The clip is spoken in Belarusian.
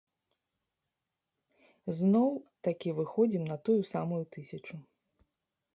Зноў-такі выходзім на тую самую тысячу.